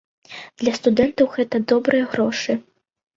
Для студэнтаў гэта добрыя грошы.